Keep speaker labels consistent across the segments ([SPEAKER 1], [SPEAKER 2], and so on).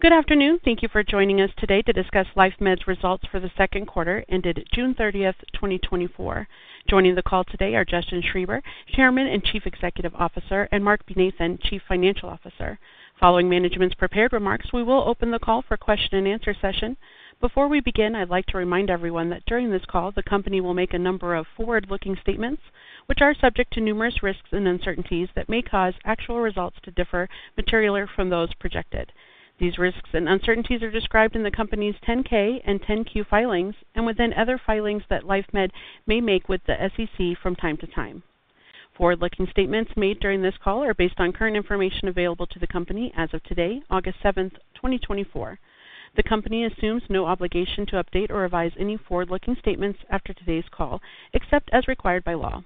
[SPEAKER 1] Good afternoon. Thank you for joining us today to discuss LifeMD's results for the second quarter, ended June 30, 2024. Joining the call today are Justin Schreiber, Chairman and Chief Executive Officer, and Marc Benathen, Chief Financial Officer. Following management's prepared remarks, we will open the call for question and answer session. Before we begin, I'd like to remind everyone that during this call, the company will make a number of forward-looking statements, which are subject to numerous risks and uncertainties that may cause actual results to differ materially from those projected. These risks and uncertainties are described in the company's 10-K and 10-Q filings and within other filings that LifeMD may make with the SEC from time to time. Forward-looking statements made during this call are based on current information available to the company as of today, August 7, 2024. The company assumes no obligation to update or revise any forward-looking statements after today's call, except as required by law.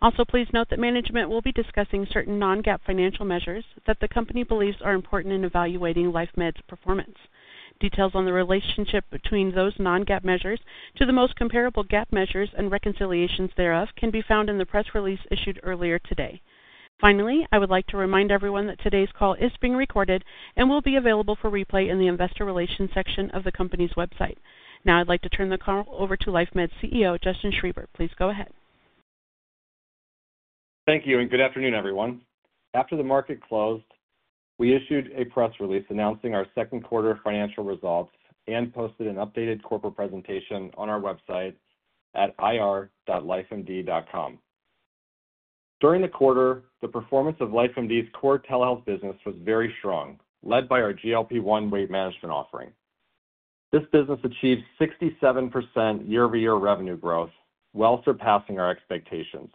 [SPEAKER 1] Also, please note that management will be discussing certain non-GAAP financial measures that the company believes are important in evaluating LifeMD's performance. Details on the relationship between those non-GAAP measures to the most comparable GAAP measures and reconciliations thereof can be found in the press release issued earlier today. Finally, I would like to remind everyone that today's call is being recorded and will be available for replay in the investor relations section of the company's website. Now I'd like to turn the call over to LifeMD's CEO, Justin Schreiber. Please go ahead.
[SPEAKER 2] Thank you, and good afternoon, everyone. After the market closed, we issued a press release announcing our second quarter financial results and posted an updated corporate presentation on our website at ir.lifemd.com. During the quarter, the performance of LifeMD's core telehealth business was very strong, led by our GLP-1 weight management offering. This business achieved 67% year-over-year revenue growth, well surpassing our expectations.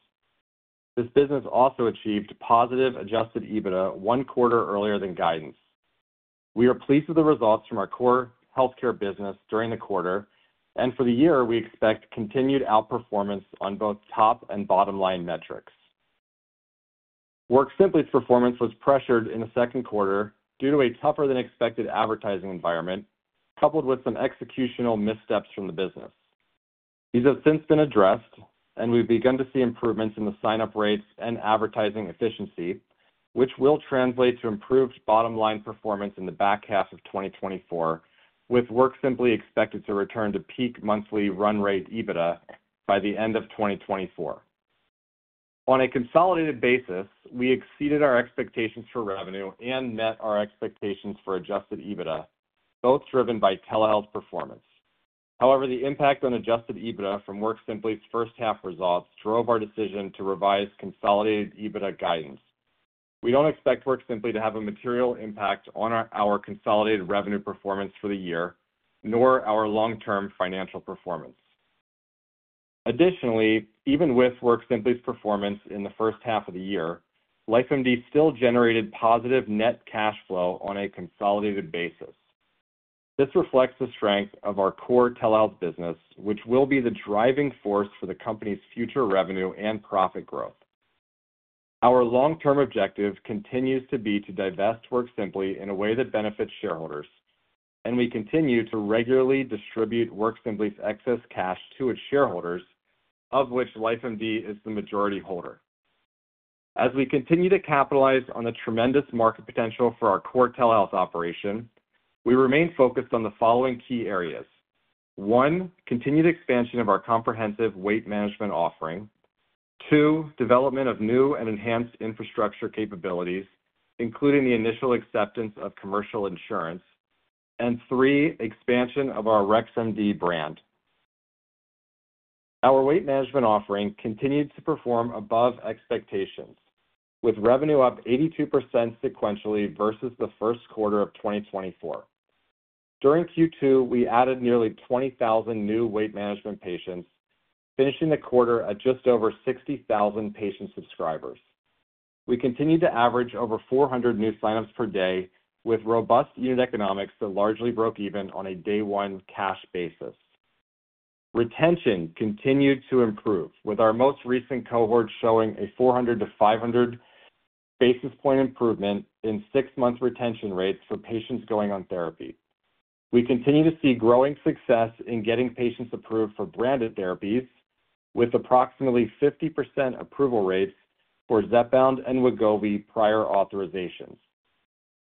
[SPEAKER 2] This business also achieved positive Adjusted EBITDA one quarter earlier than guidance. We are pleased with the results from our core healthcare business during the quarter, and for the year, we expect continued outperformance on both top and bottom-line metrics. WorkSimpli's performance was pressured in the second quarter due to a tougher than expected advertising environment, coupled with some executional missteps from the business. These have since been addressed, and we've begun to see improvements in the sign-up rates and advertising efficiency, which will translate to improved bottom-line performance in the back half of 2024, with WorkSimpli expected to return to peak monthly run rate EBITDA by the end of 2024. On a consolidated basis, we exceeded our expectations for revenue and met our expectations for adjusted EBITDA, both driven by telehealth performance. However, the impact on adjusted EBITDA from WorkSimpli's first half results drove our decision to revise consolidated EBITDA guidance. We don't expect WorkSimpli to have a material impact on our consolidated revenue performance for the year, nor our long-term financial performance. Additionally, even with WorkSimpli's performance in the first half of the year, LifeMD still generated positive net cash flow on a consolidated basis. This reflects the strength of our core telehealth business, which will be the driving force for the company's future revenue and profit growth. Our long-term objective continues to be to divest WorkSimpli in a way that benefits shareholders, and we continue to regularly distribute WorkSimpli's excess cash to its shareholders, of which LifeMD is the majority holder. As we continue to capitalize on the tremendous market potential for our core telehealth operation, we remain focused on the following key areas: one, continued expansion of our comprehensive weight management offering. two, development of new and enhanced infrastructure capabilities, including the initial acceptance of commercial insurance. And three, expansion of our Rex MD brand. Our weight management offering continued to perform above expectations, with revenue up 82% sequentially versus the first quarter of 2024. During Q2, we added nearly 20,000 new weight management patients, finishing the quarter at just over 60,000 patient subscribers. We continued to average over 400 new signups per day, with robust unit economics that largely broke even on a day one cash basis. Retention continued to improve, with our most recent cohort showing a 400-500 basis point improvement in six-month retention rates for patients going on therapy. We continue to see growing success in getting patients approved for branded therapies, with approximately 50% approval rates for Zepbound and Wegovy prior authorizations.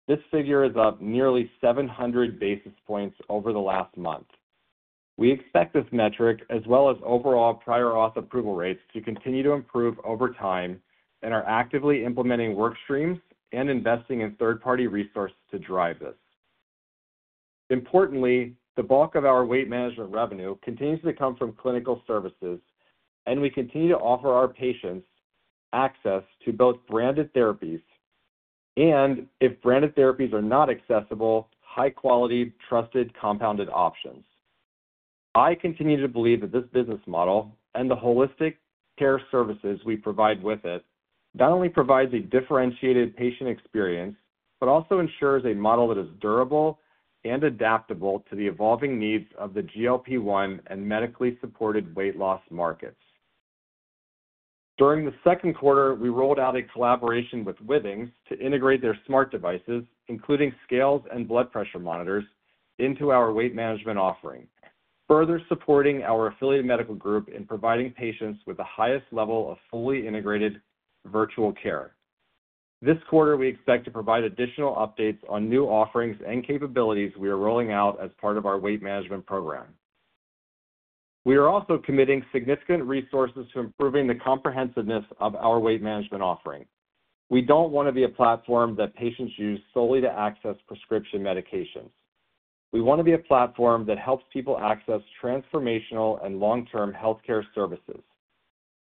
[SPEAKER 2] This figure is up nearly 700 basis points over the last month. We expect this metric, as well as overall prior auth approval rates, to continue to improve over time and are actively implementing work streams and investing in third-party resources to drive this. Importantly, the bulk of our weight management revenue continues to come from clinical services, and we continue to offer our patients access to both branded therapies and, if branded therapies are not accessible, high-quality, trusted, compounded options. I continue to believe that this business model and the holistic care services we provide with it, not only provides a differentiated patient experience, but also ensures a model that is durable and adaptable to the evolving needs of the GLP-1 and medically supported weight loss markets. During the second quarter, we rolled out a collaboration with Withings to integrate their smart devices, including scales and blood pressure monitors, into our weight management offering, further supporting our affiliate medical group in providing patients with the highest level of fully integrated virtual care. This quarter, we expect to provide additional updates on new offerings and capabilities we are rolling out as part of our weight management program. We are also committing significant resources to improving the comprehensiveness of our weight management offering. We don't want to be a platform that patients use solely to access prescription medications. We want to be a platform that helps people access transformational and long-term healthcare services.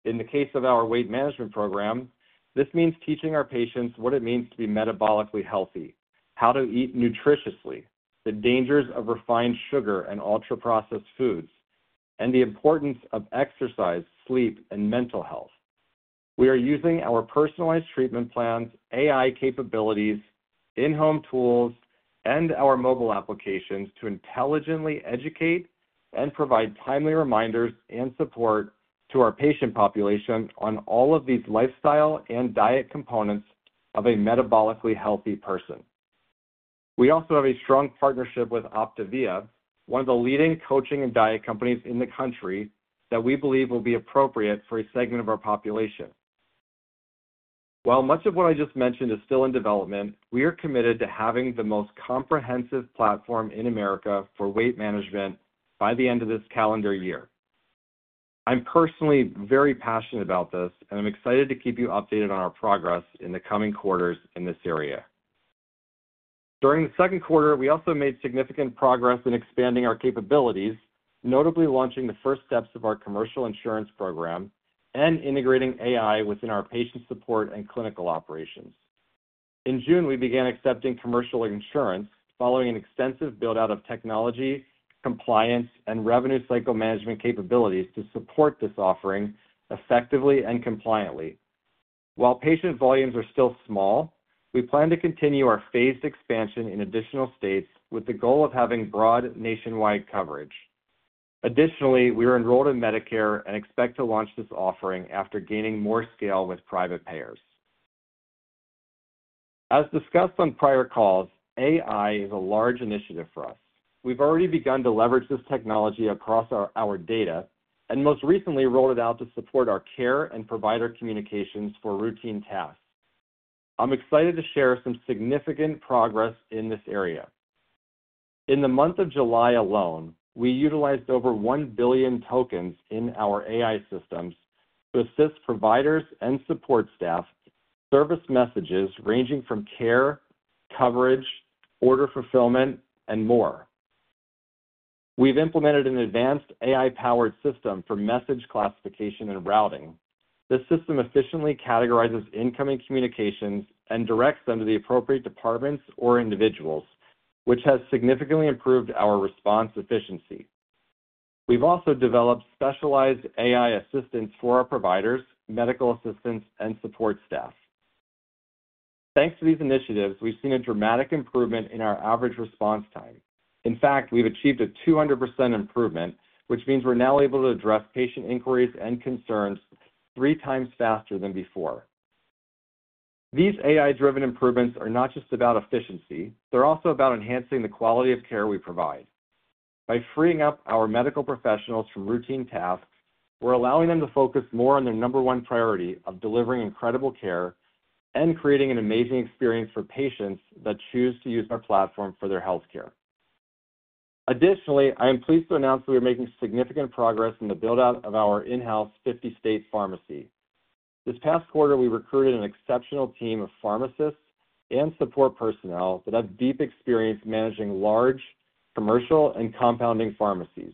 [SPEAKER 2] In the case of our weight management program, this means teaching our patients what it means to be metabolically healthy, how to eat nutritiously, the dangers of refined sugar and ultra-processed foods, and the importance of exercise, sleep, and mental health. We are using our personalized treatment plans, AI capabilities, in-home tools, and our mobile applications to intelligently educate and provide timely reminders and support to our patient population on all of these lifestyle and diet components of a metabolically healthy person. We also have a strong partnership with OPTAVIA, one of the leading coaching and diet companies in the country, that we believe will be appropriate for a segment of our population. While much of what I just mentioned is still in development, we are committed to having the most comprehensive platform in America for weight management by the end of this calendar year. I'm personally very passionate about this, and I'm excited to keep you updated on our progress in the coming quarters in this area. During the second quarter, we also made significant progress in expanding our capabilities, notably launching the first steps of our commercial insurance program and integrating AI within our patient support and clinical operations. In June, we began accepting commercial insurance following an extensive build-out of technology, compliance, and revenue cycle management capabilities to support this offering effectively and compliantly. While patient volumes are still small, we plan to continue our phased expansion in additional states with the goal of having broad nationwide coverage. Additionally, we are enrolled in Medicare and expect to launch this offering after gaining more scale with private payers. As discussed on prior calls, AI is a large initiative for us. We've already begun to leverage this technology across our, our data, and most recently rolled it out to support our care and provider communications for routine tasks. I'm excited to share some significant progress in this area. In the month of July alone, we utilized over one billion tokens in our AI systems to assist providers and support staff, service messages ranging from care, coverage, order fulfillment, and more. We've implemented an advanced AI-powered system for message classification and routing. This system efficiently categorizes incoming communications and directs them to the appropriate departments or individuals, which has significantly improved our response efficiency. We've also developed specialized AI assistance for our providers, medical assistants, and support staff. Thanks to these initiatives, we've seen a dramatic improvement in our average response time. In fact, we've achieved a 200% improvement, which means we're now able to address patient inquiries and concerns three times faster than before. These AI-driven improvements are not just about efficiency, they're also about enhancing the quality of care we provide. By freeing up our medical professionals from routine tasks, we're allowing them to focus more on their number one priority of delivering incredible care and creating an amazing experience for patients that choose to use our platform for their healthcare. Additionally, I am pleased to announce that we are making significant progress in the build-out of our in-house 50-state pharmacy. This past quarter, we recruited an exceptional team of pharmacists and support personnel that have deep experience managing large commercial and compounding pharmacies.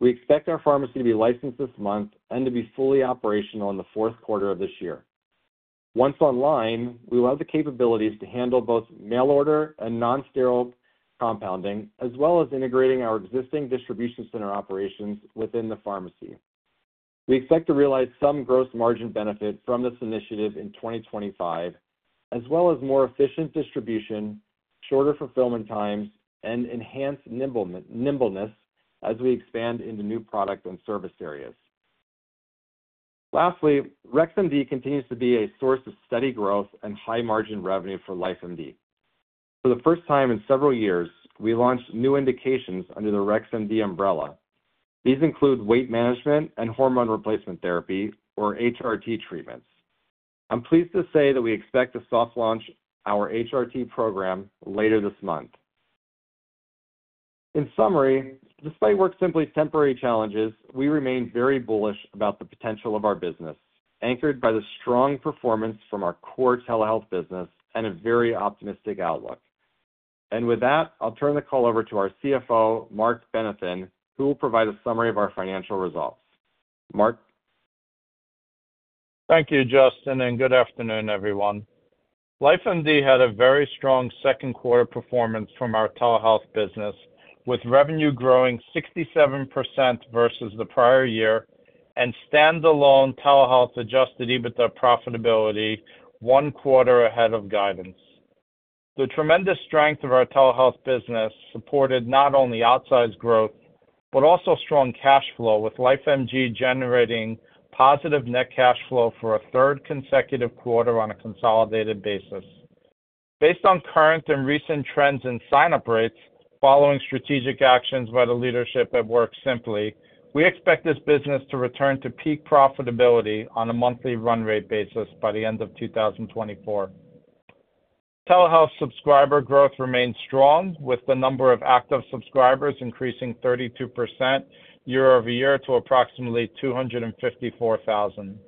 [SPEAKER 2] We expect our pharmacy to be licensed this month and to be fully operational in the fourth quarter of this year. Once online, we will have the capabilities to handle both mail order and nonsterile compounding, as well as integrating our existing distribution center operations within the pharmacy. We expect to realize some gross margin benefit from this initiative in 2025, as well as more efficient distribution, shorter fulfillment times, and enhanced nimbleness as we expand into new product and service areas. Lastly, Rex MD continues to be a source of steady growth and high-margin revenue for LifeMD. For the first time in several years, we launched new indications under the Rex MD umbrella. These include weight management and hormone replacement therapy, or HRT treatments. I'm pleased to say that we expect to soft launch our HRT program later this month. In summary, despite WorkSimpli's temporary challenges, we remain very bullish about the potential of our business, anchored by the strong performance from our core telehealth business and a very optimistic outlook. And with that, I'll turn the call over to our CFO, Marc Benathen, who will provide a summary of our financial results. Marc?
[SPEAKER 3] Thank you, Justin, and good afternoon, everyone. LifeMD had a very strong second quarter performance from our telehealth business, with revenue growing 67% versus the prior year, and standalone telehealth Adjusted EBITDA profitability one quarter ahead of guidance. The tremendous strength of our telehealth business supported not only outsized growth, but also strong cash flow, with LifeMD generating positive net cash flow for a third consecutive quarter on a consolidated basis. Based on current and recent trends in sign-up rates, following strategic actions by the leadership at WorkSimpli, we expect this business to return to peak profitability on a monthly run rate basis by the end of 2024. Telehealth subscriber growth remained strong, with the number of active subscribers increasing 32% year-over-year to approximately 254,000.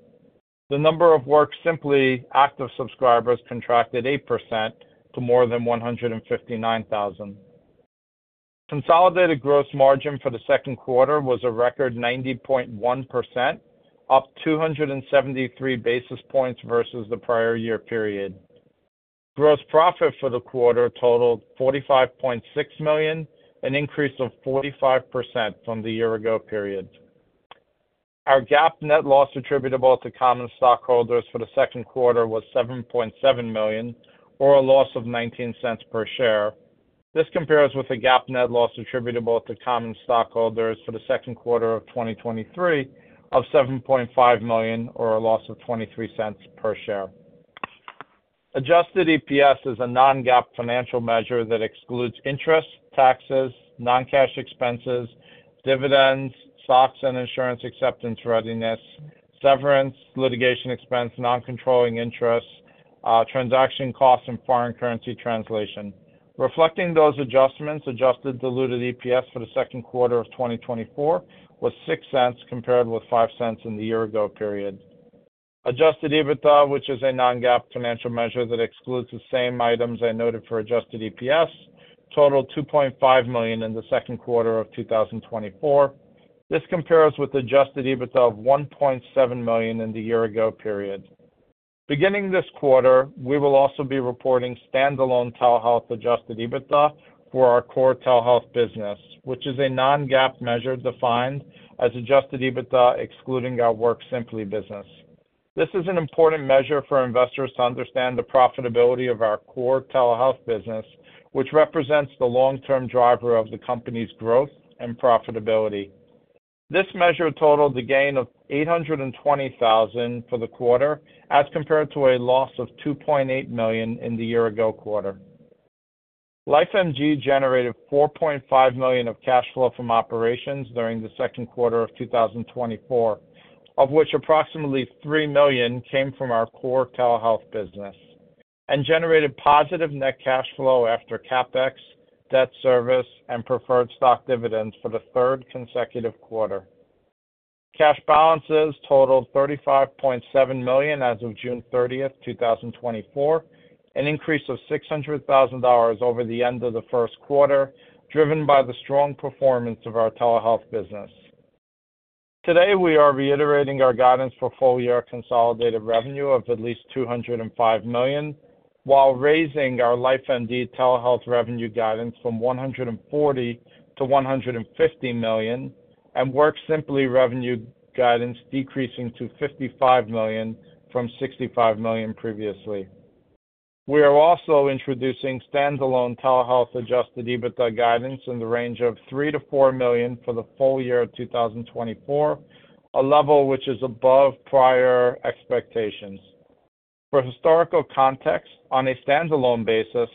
[SPEAKER 3] The number of WorkSimpli active subscribers contracted 8% to more than 159,000. Consolidated gross margin for the second quarter was a record 90.1%, up 273 basis points versus the prior year period. Gross profit for the quarter totaled $45.6 million, an increase of 45% from the year ago period. Our GAAP net loss attributable to common stockholders for the second quarter was $7.7 million, or a loss of $0.19 per share. This compares with the GAAP net loss attributable to common stockholders for the second quarter of 2023 of $7.5 million, or a loss of $0.23 per share. Adjusted EPS is a non-GAAP financial measure that excludes interest, taxes, non-cash expenses, dividends, stocks and insurance acceptance readiness, severance, litigation expense, non-controlling interests, transaction costs, and foreign currency translation. Reflecting those adjustments, adjusted diluted EPS for the second quarter of 2024 was $0.06, compared with $0.05 in the year ago period. Adjusted EBITDA, which is a non-GAAP financial measure that excludes the same items I noted for adjusted EPS, totaled $2.5 million in the second quarter of 2024. This compares with adjusted EBITDA of $1.7 million in the year ago period. Beginning this quarter, we will also be reporting standalone telehealth adjusted EBITDA for our core telehealth business, which is a non-GAAP measure defined as adjusted EBITDA, excluding our WorkSimpli business. This is an important measure for investors to understand the profitability of our core telehealth business, which represents the long-term driver of the company's growth and profitability. This measure totaled a gain of $820,000 for the quarter, as compared to a loss of $2.8 million in the year-ago quarter. LifeMD generated $4.5 million of cash flow from operations during the second quarter of 2024, of which approximately $3 million came from our core telehealth business, and generated positive net cash flow after CapEx, debt service, and preferred stock dividends for the third consecutive quarter. Cash balances totaled $35.7 million as of June 30, 2024, an increase of $600,000 over the end of the first quarter, driven by the strong performance of our telehealth business. Today, we are reiterating our guidance for full year consolidated revenue of at least $205 million, while raising our LifeMD telehealth revenue guidance from $140 millio-$150 million, and WorkSimpli revenue guidance decreasing to $55 million from $65 million previously. We are also introducing standalone telehealth Adjusted EBITDA guidance in the range of $3 million-$4 million for the full year of 2024, a level which is above prior expectations. For historical context, on a standalone basis,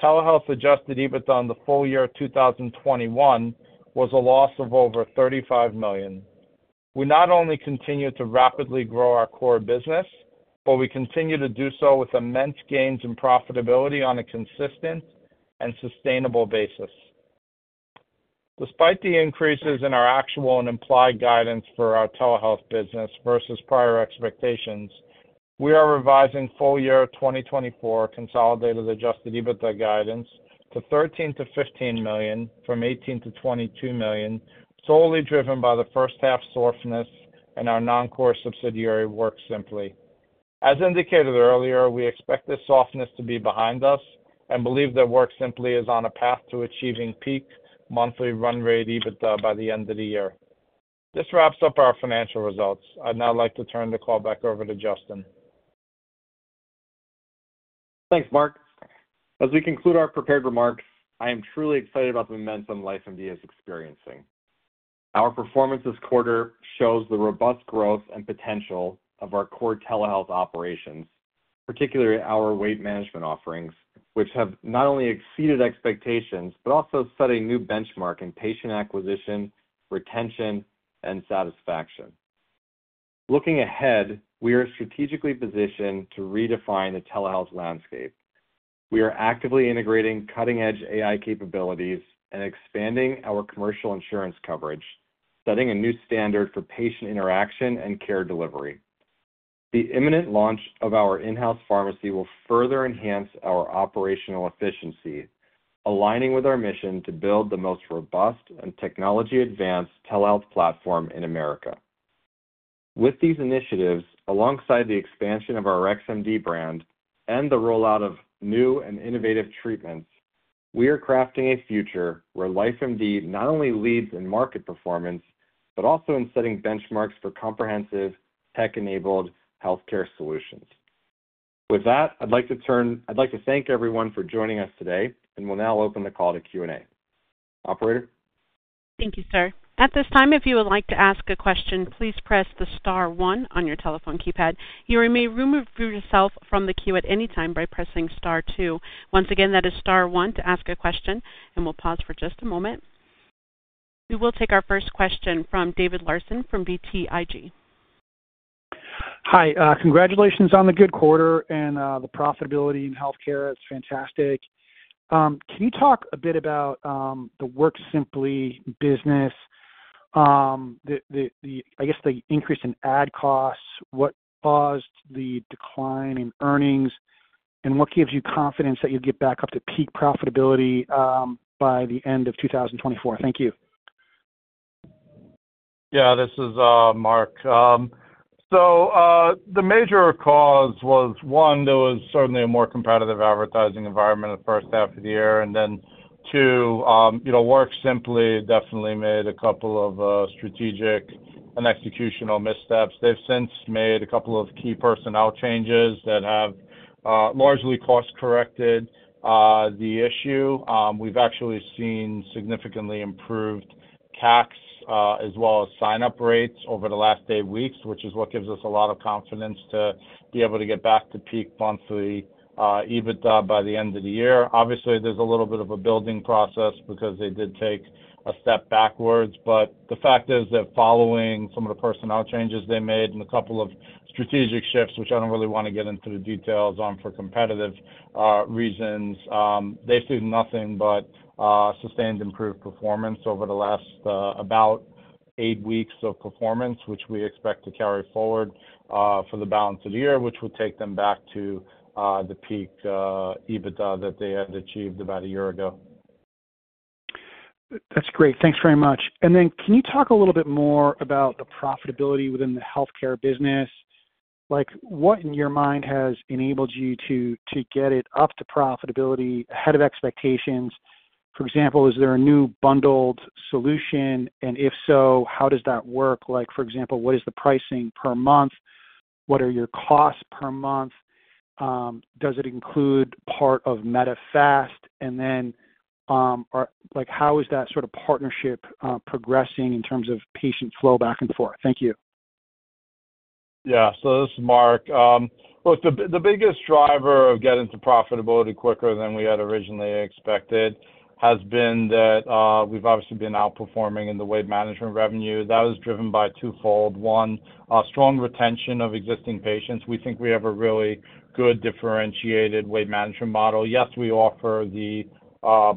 [SPEAKER 3] telehealth adjusted EBITDA in the full year of 2021 was a loss of over $35 million. We not only continue to rapidly grow our core business, but we continue to do so with immense gains in profitability on a consistent and sustainable basis. Despite the increases in our actual and implied guidance for our telehealth business versus prior expectations, we are revising full year 2024 consolidated Adjusted EBITDA guidance to $13 million-$15 million from $18 million-$22 million, solely driven by the first half softness in our non-core subsidiary, WorkSimpli. As indicated earlier, we expect this softness to be behind us and believe that WorkSimpli is on a path to achieving peak monthly run rate EBITDA by the end of the year. This wraps up our financial results. I'd now like to turn the call back over to Justin.
[SPEAKER 2] Thanks, Marc. As we conclude our prepared remarks, I am truly excited about the momentum LifeMD is experiencing. Our performance this quarter shows the robust growth and potential of our core telehealth operations, particularly our weight management offerings, which have not only exceeded expectations, but also set a new benchmark in patient acquisition, retention, and satisfaction. Looking ahead, we are strategically positioned to redefine the telehealth landscape. We are actively integrating cutting-edge AI capabilities and expanding our commercial insurance coverage, setting a new standard for patient interaction and care delivery. The imminent launch of our in-house pharmacy will further enhance our operational efficiency, aligning with our mission to build the most robust and technology-advanced telehealth platform in America. With these initiatives, alongside the expansion of our Rex MD brand and the rollout of new and innovative treatments, we are crafting a future where LifeMD not only leads in market performance, but also in setting benchmarks for comprehensive, tech-enabled healthcare solutions. With that, I'd like to thank everyone for joining us today, and we'll now open the call to Q&A. Operator?...
[SPEAKER 1] Thank you, sir. At this time, if you would like to ask a question, please press the star one on your telephone keypad. You may remove yourself from the queue at any time by pressing star two. Once again, that is star one to ask a question, and we'll pause for just a moment. We will take our first question from David Larsen from BTIG.
[SPEAKER 4] Hi, congratulations on the good quarter and the profitability in healthcare. It's fantastic. Can you talk a bit about the WorkSimpli business? I guess, the increase in ad costs, what caused the decline in earnings? And what gives you confidence that you'll get back up to peak profitability by the end of 2024? Thank you.
[SPEAKER 3] Yeah, this is Marc. So, the major cause was, one, there was certainly a more competitive advertising environment in the first half of the year. And then two, you know, WorkSimpli definitely made a couple of strategic and executional missteps. They've since made a couple of key personnel changes that have largely cost-corrected the issue. We've actually seen significantly improved CACs, as well as sign-up rates over the last eight weeks, which is what gives us a lot of confidence to be able to get back to peak monthly EBITDA by the end of the year. Obviously, there's a little bit of a building process because they did take a step backwards. But the fact is that following some of the personnel changes they made and a couple of strategic shifts, which I don't really want to get into the details on for competitive reasons, they've seen nothing but sustained improved performance over the last about eight weeks of performance, which we expect to carry forward for the balance of the year, which will take them back to the peak EBITDA that they had achieved about a year ago.
[SPEAKER 4] That's great. Thanks very much. And then can you talk a little bit more about the profitability within the healthcare business? Like, what in your mind has enabled you to get it up to profitability ahead of expectations? For example, is there a new bundled solution? And if so, how does that work? Like, for example, what is the pricing per month? What are your costs per month? Does it include part of Medifast? And then, or like, how is that sort of partnership progressing in terms of patient flow back and forth? Thank you.
[SPEAKER 3] Yeah. So this is Marc. Look, the biggest driver of getting to profitability quicker than we had originally expected has been that we've obviously been outperforming in the weight management revenue. That was driven by twofold. One, strong retention of existing patients. We think we have a really good differentiated weight management model. Yes, we offer the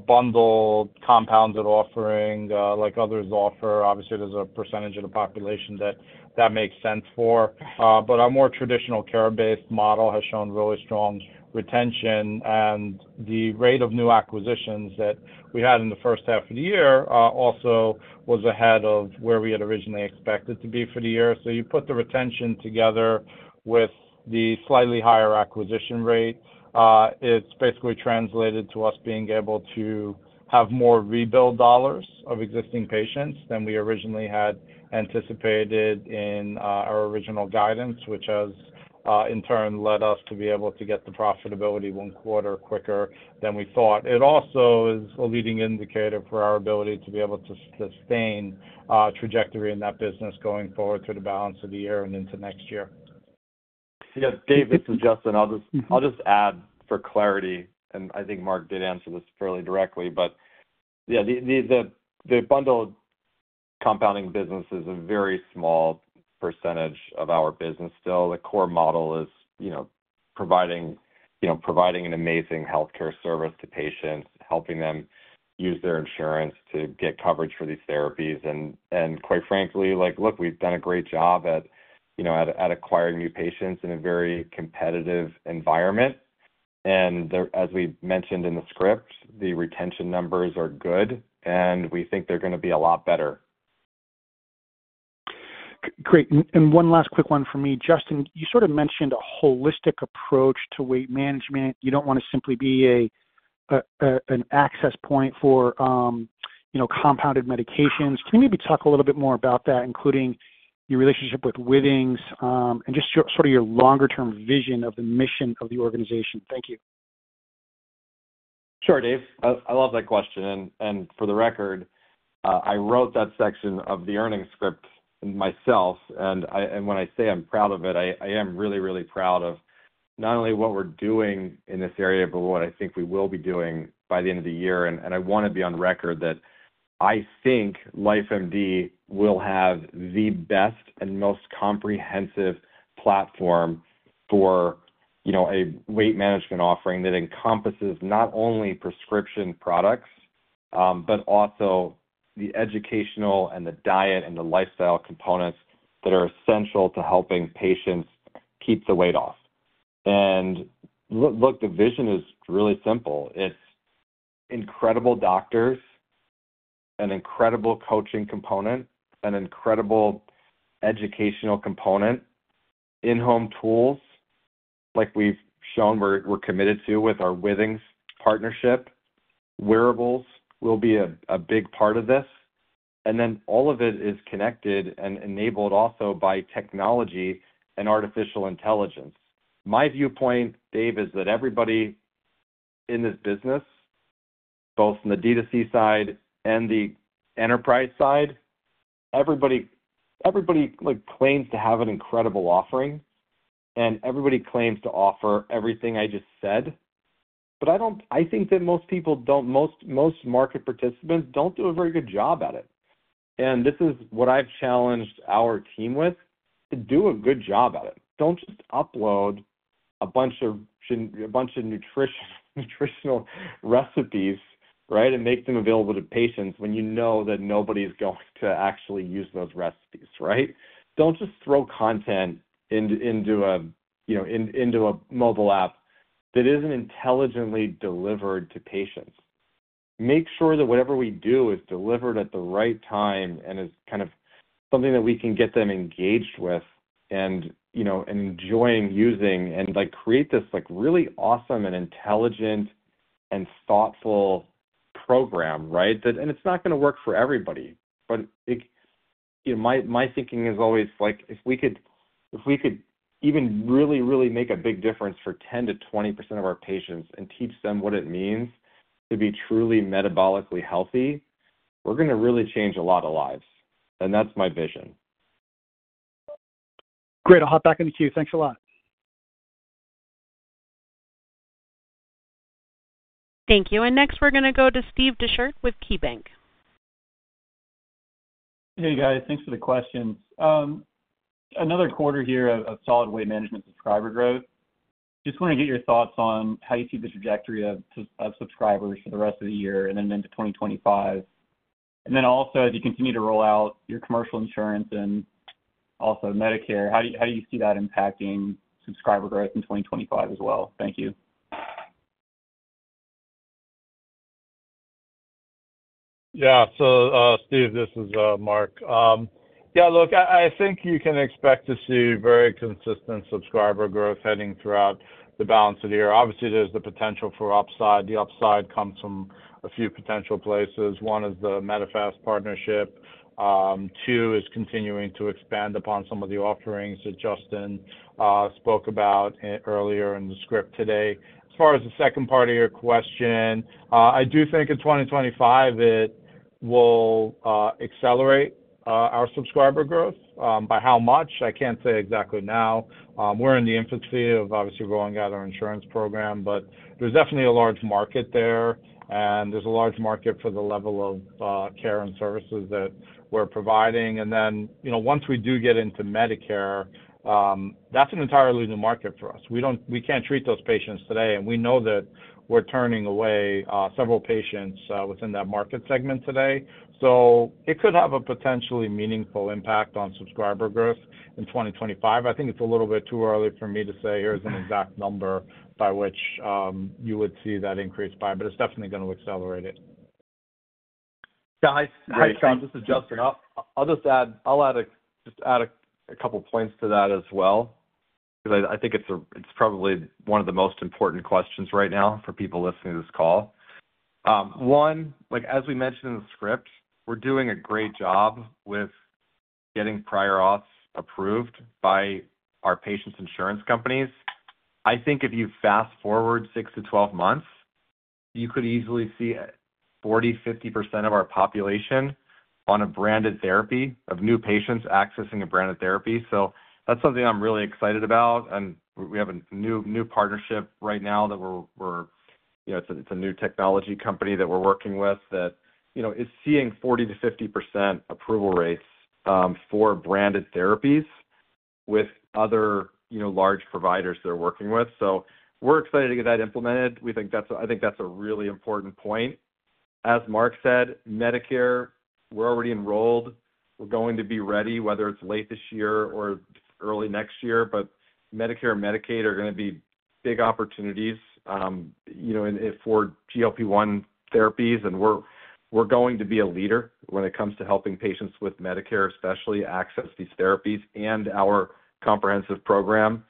[SPEAKER 3] bundled compounded offering, like others offer. Obviously, there's a percentage of the population that that makes sense for, but our more traditional care-based model has shown really strong retention. And the rate of new acquisitions that we had in the first half of the year also was ahead of where we had originally expected to be for the year. So you put the retention together with the slightly higher acquisition rate, it's basically translated to us being able to have more rebill dollars of existing patients than we originally had anticipated in our original guidance, which has in turn led us to be able to get the profitability one quarter quicker than we thought. It also is a leading indicator for our ability to be able to sustain trajectory in that business going forward through the balance of the year and into next year.
[SPEAKER 2] Yes, Dave, this is Justin. I'll just-
[SPEAKER 4] Mm-hmm.
[SPEAKER 2] I'll just add for clarity, and I think Marc did answer this fairly directly, but yeah, the bundled compounding business is a very small percentage of our business. Still, the core model is, you know, providing, you know, providing an amazing healthcare service to patients, helping them use their insurance to get coverage for these therapies. And quite frankly, like, look, we've done a great job at, you know, at acquiring new patients in a very competitive environment. And there, as we mentioned in the script, the retention numbers are good, and we think they're gonna be a lot better.
[SPEAKER 4] Great. And one last quick one for me. Justin, you sort of mentioned a holistic approach to weight management. You don't want to simply be a, an access point for, you know, compounded medications. Can you maybe talk a little bit more about that, including your relationship with Withings, and just your, sort of your longer-term vision of the mission of the organization? Thank you.
[SPEAKER 2] Sure, Dave. I love that question. And for the record, I wrote that section of the earnings script myself, and when I say I'm proud of it, I am really, really proud of not only what we're doing in this area, but what I think we will be doing by the end of the year. And I wanna be on record that I think LifeMD will have the best and most comprehensive platform for, you know, a weight management offering that encompasses not only prescription products, but also the educational and the diet and the lifestyle components that are essential to helping patients keep the weight off. And look, the vision is really simple. It's incredible doctors, an incredible coaching component, an incredible educational component, in-home tools, like we've shown we're committed to with our Withings partnership. Wearables will be a big part of this, and then all of it is connected and enabled also by technology and artificial intelligence. My viewpoint, Dave, is that everybody in this business, both in the D2C side and the enterprise side, everybody, like, claims to have an incredible offering, and everybody claims to offer everything I just said. But I don't think that most market participants don't do a very good job at it. And this is what I've challenged our team with, to do a good job at it. Don't just upload a bunch of nutritional recipes, right, and make them available to patients when you know that nobody's going to actually use those recipes, right? Don't just throw content into, you know, a mobile app that isn't intelligently delivered to patients. Make sure that whatever we do is delivered at the right time and is kind of something that we can get them engaged with and, you know, enjoying using and, like, create this, like, really awesome and intelligent and thoughtful program, right? That. And it's not gonna work for everybody, but it, you know, my, my thinking is always, like, if we could, if we could even really, really make a big difference for 10%-20% of our patients and teach them what it means to be truly metabolically healthy, we're gonna really change a lot of lives, and that's my vision.
[SPEAKER 4] Great. I'll hop back in the queue. Thanks a lot.
[SPEAKER 1] Thank you. Next, we're gonna go to Steve Dechert with KeyBanc.
[SPEAKER 5] Hey, guys, thanks for the questions. Another quarter here of solid weight management subscriber growth. Just wanna get your thoughts on how you see the trajectory of subscribers for the rest of the year and then into 2025. And then also, as you continue to roll out your commercial insurance and also Medicare, how do you, how do you see that impacting subscriber growth in 2025 as well? Thank you.
[SPEAKER 3] Yeah. So, Steve, this is, Marc. Yeah, look, I, I think you can expect to see very consistent subscriber growth heading throughout the balance of the year. Obviously, there's the potential for upside. The upside comes from a few potential places. One is the Medifast partnership. Two is continuing to expand upon some of the offerings that Justin spoke about earlier in the script today. As far as the second part of your question, I do think in 2025, it will accelerate our subscriber growth. By how much? I can't say exactly now. We're in the infancy of, obviously, rolling out our insurance program, but there's definitely a large market there, and there's a large market for the level of care and services that we're providing. And then, you know, once we do get into Medicare, that's an entirely new market for us. We don't, we can't treat those patients today, and we know that we're turning away several patients within that market segment today. So it could have a potentially meaningful impact on subscriber growth in 2025. I think it's a little bit too early for me to say, "Here's an exact number by which you would see that increase by," but it's definitely gonna accelerate it.
[SPEAKER 2] Yeah, Steve, this is Justin. I'll just add a couple points to that as well, 'cause I think it's probably one of the most important questions right now for people listening to this call. One, like as we mentioned in the script, we're doing a great job with getting prior auth approved by our patients' insurance companies. I think if you fast-forward six to 12 months, you could easily see 40%-50% of our population on a branded therapy, of new patients accessing a branded therapy. So that's something I'm really excited about, and we have a new partnership right now that we're, you know... It's a new technology company that we're working with that, you know, is seeing 40%-50% approval rates for branded therapies with other, you know, large providers they're working with. So we're excited to get that implemented. We think that's a really important point. I think that's a really important point. As Marc said, Medicare, we're already enrolled. We're going to be ready, whether it's late this year or early next year. But Medicare and Medicaid are gonna be big opportunities, you know, and if for GLP-1 therapies, and we're, we're going to be a leader when it comes to helping patients with Medicare, especially access these therapies and our comprehensive program.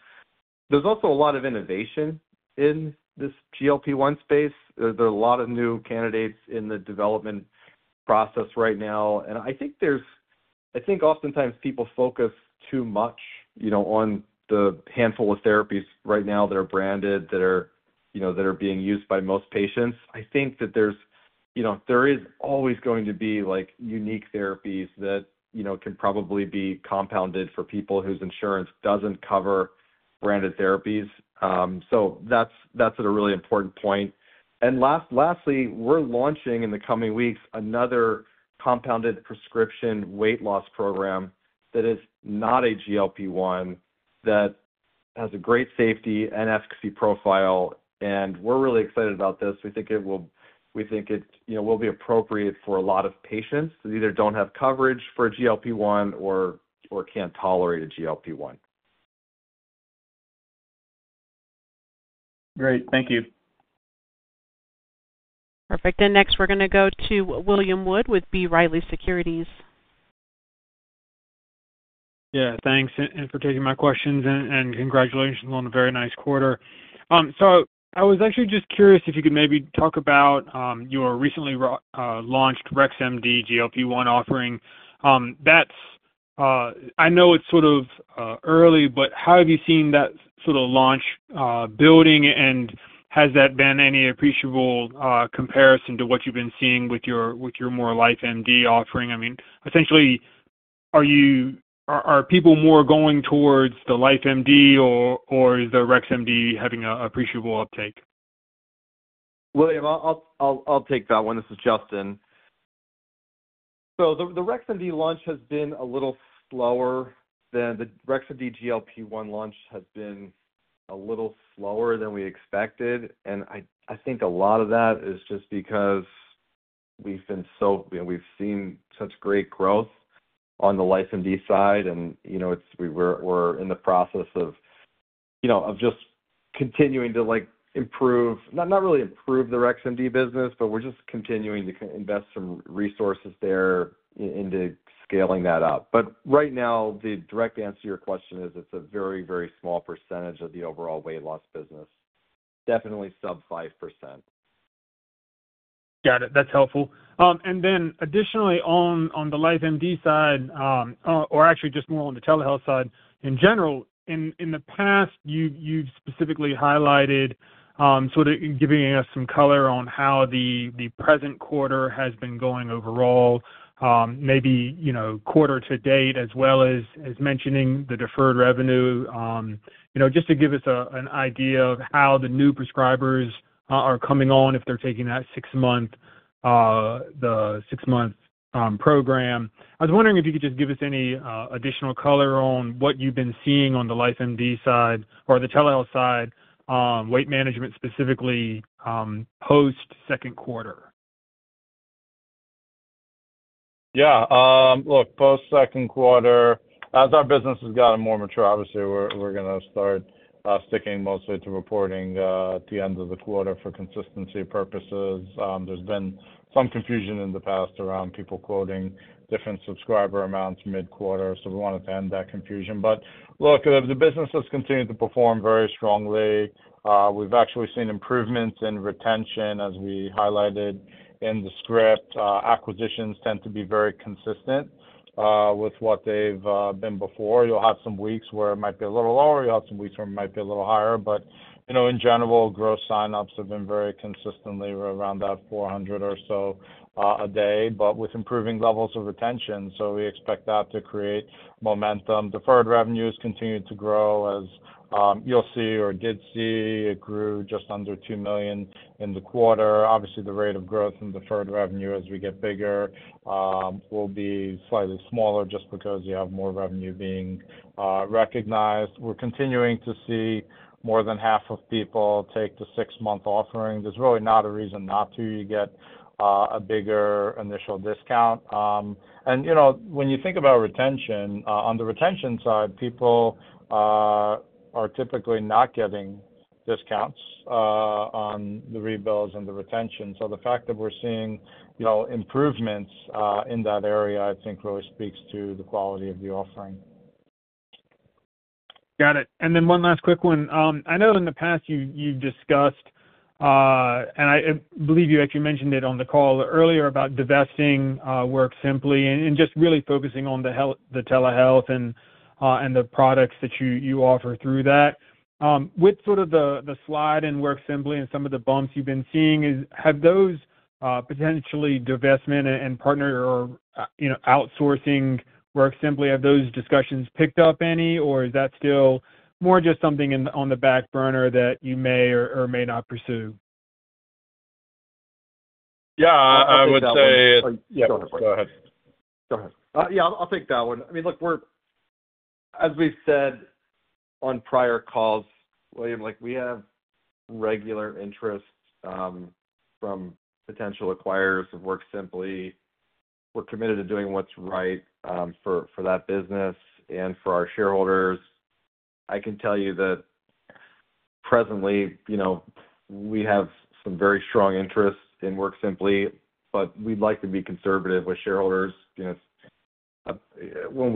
[SPEAKER 2] There's also a lot of innovation in this GLP-1 space. There are a lot of new candidates in the development process right now, and I think oftentimes people focus too much, you know, on the handful of therapies right now that are branded, that are, you know, that are being used by most patients. I think that there's, you know, there is always going to be, like, unique therapies that, you know, can probably be compounded for people whose insurance doesn't cover branded therapies. So that's a really important point. And lastly, we're launching, in the coming weeks, another compounded prescription weight loss program that is not a GLP-1, that has a great safety and efficacy profile, and we're really excited about this. We think it, you know, will be appropriate for a lot of patients who either don't have coverage for a GLP-1 or can't tolerate a GLP-1.
[SPEAKER 5] Great. Thank you.
[SPEAKER 1] Perfect. Next, we're gonna go to William Wood with B. Riley Securities.
[SPEAKER 6] Yeah, thanks and for taking my questions and congratulations on a very nice quarter. So I was actually just curious if you could maybe talk about your recently launched Rex MD GLP-1 offering. I know it's sort of early, but how have you seen that sort of launch building? And has that been any appreciable comparison to what you've been seeing with your more LifeMD offering? I mean, essentially, are people more going towards the LifeMD or is the Rex MD having an appreciable uptake?
[SPEAKER 2] William, I'll take that one. This is Justin. So the Rex MD GLP-1 launch has been a little slower than we expected, and I think a lot of that is just because we've been so—you know, we've seen such great growth on the LifeMD side, and, you know, it's, we're in the process of, you know, of just continuing to, like, improve, not really improve the Rex MD business, but we're just continuing to invest some resources there into scaling that up. But right now, the direct answer to your question is, it's a very, very small percentage of the overall weight loss business. Definitely sub-5%.
[SPEAKER 6] Got it. That's helpful. And then additionally, on the LifeMD side, or actually just more on the telehealth side in general, in the past, you've specifically highlighted, sort of giving us some color on how the present quarter has been going overall, maybe, you know, quarter to date, as well as mentioning the deferred revenue. You know, just to give us an idea of how the new prescribers are coming on, if they're taking that six-month program. I was wondering if you could just give us any additional color on what you've been seeing on the LifeMD side or the telehealth side, weight management, specifically, post-second quarter.
[SPEAKER 3] Yeah, look, post-second quarter, as our business has gotten more mature, obviously, we're, we're gonna start sticking mostly to reporting at the end of the quarter for consistency purposes. There's been some confusion in the past around people quoting different subscriber amounts mid-quarter, so we wanted to end that confusion. But look, the business has continued to perform very strongly. We've actually seen improvements in retention, as we highlighted in the script. Acquisitions tend to be very consistent with what they've been before. You'll have some weeks where it might be a little lower, you'll have some weeks where it might be a little higher. But, you know, in general, gross signups have been very consistently around that 400 or so a day, but with improving levels of retention, so we expect that to create momentum. Deferred revenue continues to grow, as you'll see or did see. It grew just under $2 million in the quarter. Obviously, the rate of growth in deferred revenue as we get bigger will be slightly smaller, just because you have more revenue being recognized. We're continuing to see more than half of people take the six-month offering. There's really not a reason not to. You get a bigger initial discount. And, you know, when you think about retention, on the retention side, people are typically not getting discounts on the rebills and the retention. So the fact that we're seeing, you know, improvements in that area, I think really speaks to the quality of the offering.
[SPEAKER 6] Got it. And then one last quick one. I know in the past you, you've discussed, and I believe you actually mentioned it on the call earlier about divesting WorkSimpli and just really focusing on the health, the telehealth and the products that you offer through that. With sort of the slide in WorkSimpli and some of the bumps you've been seeing, have those potential divestment and partner or, you know, outsourcing WorkSimpli discussions picked up any, or is that still more just something on the back burner that you may or may not pursue?
[SPEAKER 3] Yeah, I would say-
[SPEAKER 2] Yeah, go ahead.
[SPEAKER 3] Go ahead.
[SPEAKER 2] Yeah, I'll take that one. I mean, look, we're as we said on prior calls, William, like, we have regular interest from potential acquirers of WorkSimpli. We're committed to doing what's right for that business and for our shareholders. I can tell you that presently, you know, we have some very strong interest in WorkSimpli, but we'd like to be conservative with shareholders, you know, when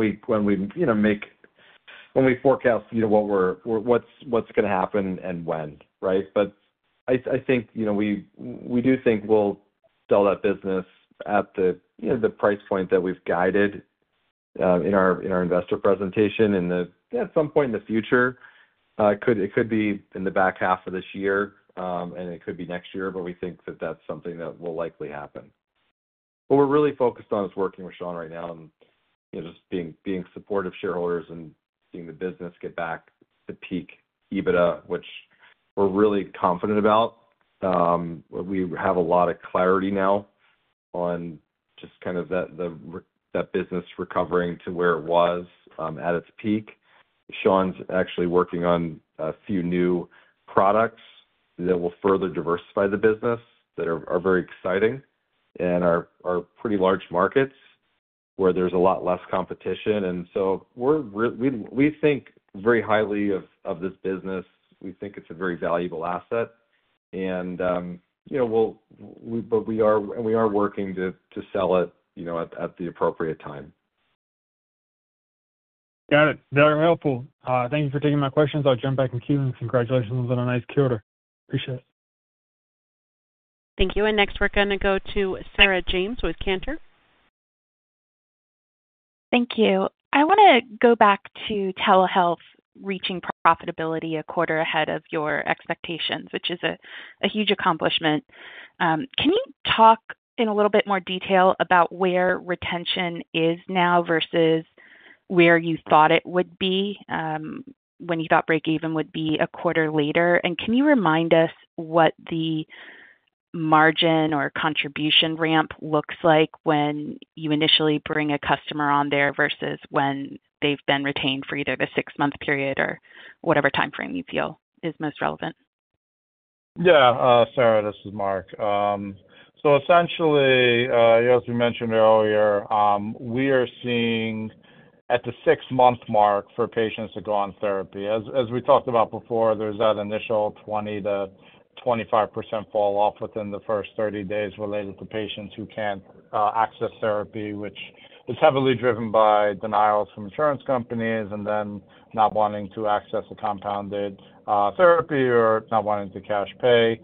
[SPEAKER 2] we forecast, you know, what's gonna happen and when, right? But I think, you know, we do think we'll sell that business at the, you know, the price point that we've guided in our investor presentation at some point in the future. It could be in the back half of this year, and it could be next year, but we think that that's something that will likely happen. What we're really focused on is working with Sean right now and, you know, just being supportive shareholders and seeing the business get back to peak EBITDA, which we're really confident about. We have a lot of clarity now on just kind of that business recovering to where it was at its peak. Sean's actually working on a few new products that will further diversify the business, that are very exciting and are pretty large markets where there's a lot less competition. And so we think very highly of this business. We think it's a very valuable asset, and you know, but we are working to sell it, you know, at the appropriate time.
[SPEAKER 6] Got it. Very helpful. Thank you for taking my questions. I'll jump back in queue. Congratulations on a nice quarter. Appreciate it.
[SPEAKER 1] Thank you. Next, we're gonna go to Sarah James with Cantor.
[SPEAKER 7] Thank you. I wanna go back to telehealth reaching profitability a quarter ahead of your expectations, which is a, a huge accomplishment. Can you talk in a little bit more detail about where retention is now versus where you thought it would be, when you thought breakeven would be a quarter later? Can you remind us what the margin or contribution ramp looks like when you initially bring a customer on there versus when they've been retained for either the six-month period or whatever timeframe you feel is most relevant?
[SPEAKER 3] Yeah, Sarah, this is Marc. So essentially, as we mentioned earlier, we are seeing at the six-month mark for patients to go on therapy. As we talked about before, there's that initial 20%-25% fall off within the first 30 days related to patients who can't access therapy, which is heavily driven by denials from insurance companies, and then not wanting to access a compounded therapy or not wanting to cash pay.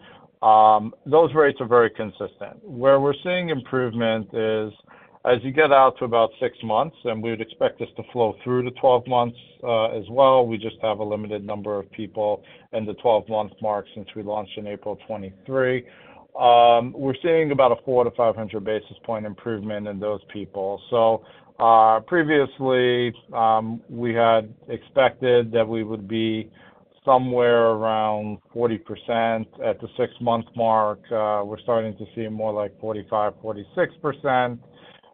[SPEAKER 3] Those rates are very consistent. Where we're seeing improvement is as you get out to about six months, and we'd expect this to flow through to 12 months as well, we just have a limited number of people in the 12-month mark since we launched in April 2023. We're seeing about a 400-500 basis point improvement in those people. Previously, we had expected that we would be somewhere around 40%. At the six-month mark, we're starting to see more like 45%-46%.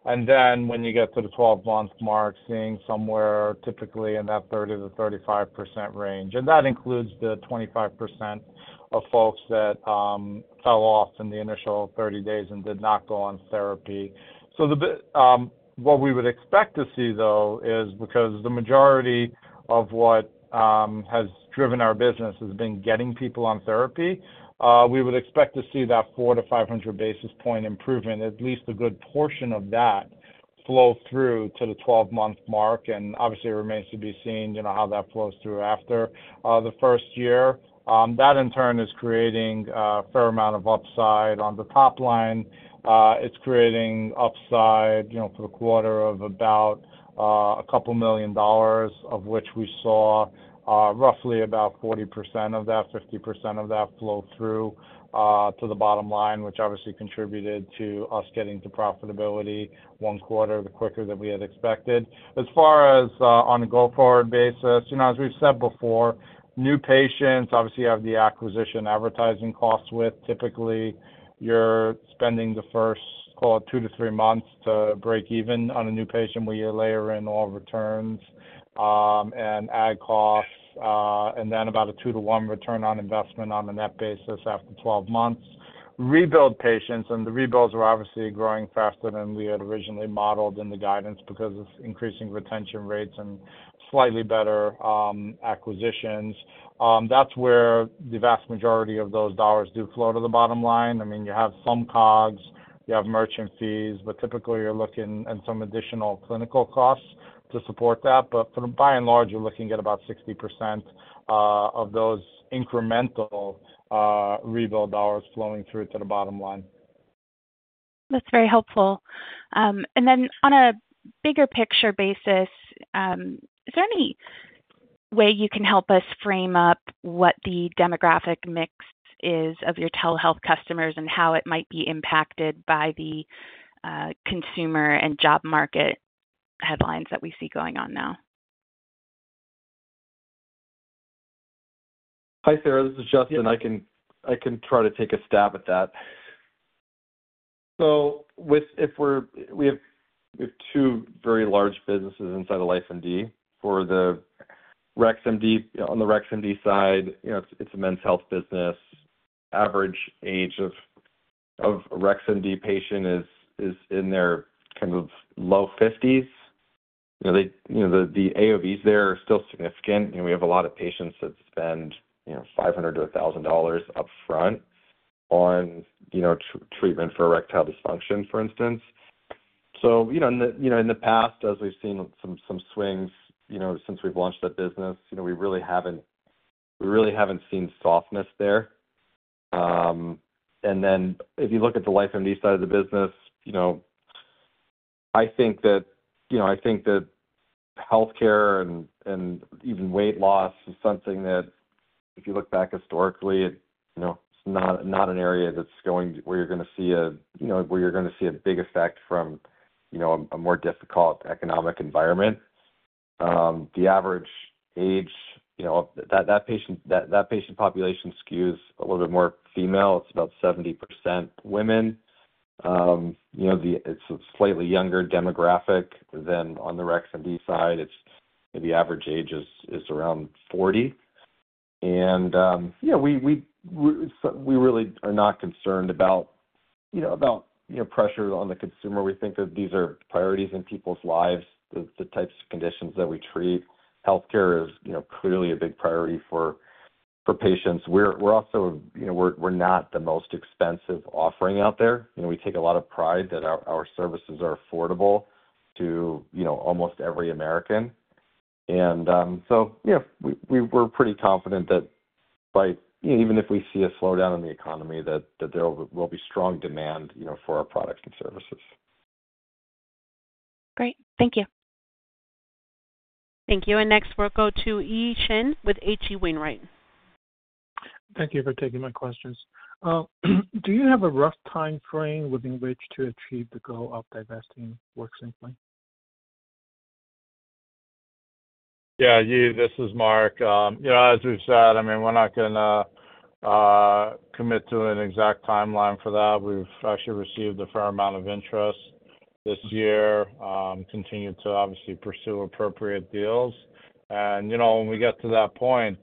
[SPEAKER 3] And then when you get to the 12-month mark, seeing somewhere typically in that 30%-35% range, and that includes the 25% of folks that fell off in the initial 30 days and did not go on therapy. So what we would expect to see, though, is because the majority of what has driven our business has been getting people on therapy, we would expect to see that 400-500 basis point improvement, at least a good portion of that, flow through to the 12-month mark, and obviously, it remains to be seen, you know, how that flows through after the first year. That, in turn, is creating a fair amount of upside. On the top line, it's creating upside, you know, for the quarter of about $2 million, of which we saw roughly about 40% of that, 50% of that flow through to the bottom line, which obviously contributed to us getting to profitability one quarter quicker than we had expected. As far as on a go-forward basis, you know, as we've said before, new patients obviously have the acquisition advertising costs with. Typically, you're spending the first, call it, two to three months to break even on a new patient, where you layer in all returns, and ad costs, and then about a two to one return on investment on a net basis after 12 months. Rebuild patients, and the rebuilds are obviously growing faster than we had originally modeled in the guidance because of increasing retention rates and slightly better acquisitions. That's where the vast majority of those dollars do flow to the bottom line. I mean, you have some COGS, you have merchant fees, but typically you're looking, and some additional clinical costs to support that, but by and large, you're looking at about 60% of those incremental rebuild dollars flowing through to the bottom line.
[SPEAKER 7] That's very helpful. And then on a bigger picture basis, is there any way you can help us frame up what the demographic mix is of your telehealth customers and how it might be impacted by the consumer and job market headlines that we see going on now?
[SPEAKER 2] Hi, Sarah, this is Justin. I can try to take a stab at that. So if we're, we have two very large businesses inside of LifeMD. For the Rex MD, on the Rex MD side, you know, it's a men's health business. Average age of a Rex MD patient is in their kind of low fifties. You know, they, you know, the AOVs there are still significant, and we have a lot of patients that spend, you know, $500-$1,000 upfront on, you know, treatment for erectile dysfunction, for instance. So, you know, in the past, as we've seen some swings, you know, since we've launched that business, you know, we really haven't seen softness there. And then if you look at the LifeMD side of the business, you know, I think that, you know, I think that healthcare and even weight loss is something that if you look back historically, it, you know, it's not an area that's going where you're gonna see a, you know, where you're gonna see a big effect from, you know, a more difficult economic environment. The average age, you know, that patient population skews a little bit more female. It's about 70% women. You know, it's a slightly younger demographic than on the Rex MD side. It's, the average age is around 40%. And, yeah, so we really are not concerned about, you know, about, you know, pressure on the consumer. We think that these are priorities in people's lives, the types of conditions that we treat. Healthcare is, you know, clearly a big priority for patients. We're also, you know, we're not the most expensive offering out there. You know, we take a lot of pride that our services are affordable to, you know, almost every American.... you know, we're pretty confident that even if we see a slowdown in the economy, there will be strong demand, you know, for our products and services.
[SPEAKER 7] Great. Thank you.
[SPEAKER 1] Thank you. Next, we'll go to Yi Chen with H.C. Wainwright.
[SPEAKER 8] Thank you for taking my questions. Do you have a rough timeframe within which to achieve the goal of divesting WorkSimpli?
[SPEAKER 3] Yeah, Yi, this is Marc. You know, as we've said, I mean, we're not gonna commit to an exact timeline for that. We've actually received a fair amount of interest this year, continued to obviously pursue appropriate deals. And, you know, when we get to that point,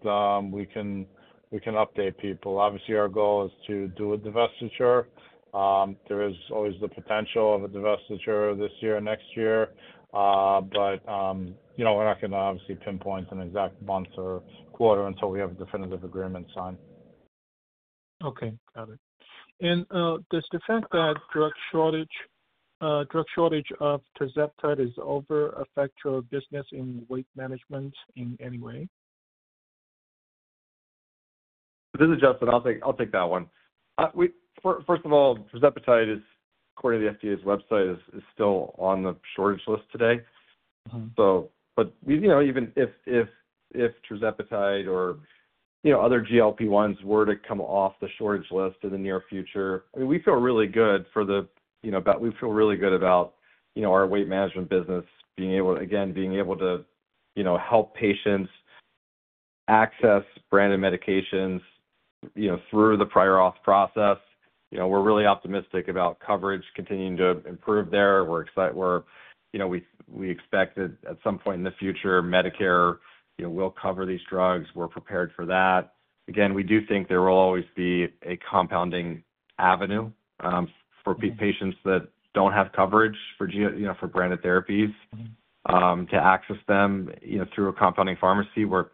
[SPEAKER 3] we can, we can update people. Obviously, our goal is to do a divestiture. There is always the potential of a divestiture this year or next year. But, you know, we're not gonna obviously pinpoint an exact month or quarter until we have a definitive agreement signed.
[SPEAKER 8] Okay, got it. And, does the fact that drug shortage of tirzepatide is over affect your business in weight management in any way?
[SPEAKER 2] This is Justin. I'll take, I'll take that one. First of all, tirzepatide is, according to the FDA's website, still on the shortage list today.
[SPEAKER 8] Mm-hmm.
[SPEAKER 2] But you know, even if tirzepatide or, you know, other GLP-1s were to come off the shortage list in the near future, I mean, we feel really good about our weight management business being able to, you know, help patients access branded medications, you know, through the prior auth process. You know, we're really optimistic about coverage continuing to improve there. We're, you know, we expect that at some point in the future, Medicare, you know, will cover these drugs. We're prepared for that. Again, we do think there will always be a compounding avenue for patients that don't have coverage for you know, for branded therapies to access them, you know, through a compounding pharmacy, where